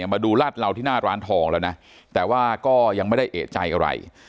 มาดูลาดเหลาที่หน้าร้านทองแล้วนะแต่ว่าก็ยังไม่ได้เอกใจอะไร